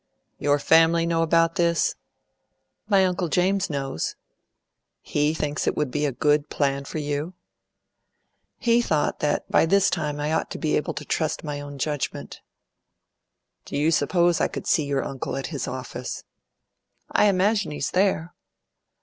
"Your family know about this?" "My Uncle James knows." "He thinks it would be a good plan for you?" "He thought that by this time I ought to be able to trust my own judgment." "Do you suppose I could see your uncle at his office?" "I imagine he's there."